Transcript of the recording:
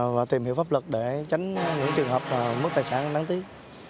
và tìm hiểu pháp luật để tránh những trường hợp mất tài sản đáng tiếc